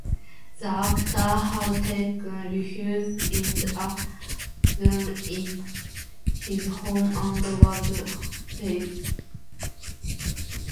The actor had taken refuge in a room in his home and was safe.